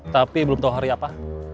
tapi belum tahu hari apa